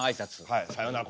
はい「さようなら」